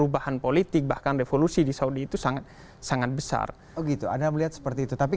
perubahan politik bahkan revolusi di saudi itu sangat sangat besar gitu anda melihat seperti itu tapi